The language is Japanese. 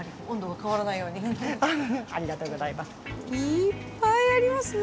いっぱいありますね。